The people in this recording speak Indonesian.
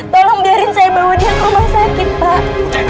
tolong biarin saya bawa dia ke rumah sakit pak